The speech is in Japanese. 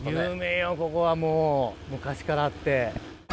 ここはもう昔からあって。